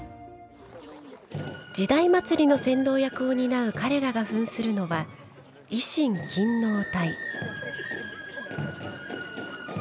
時代祭の先導役を担う彼らがふんするのは、維新勤王隊。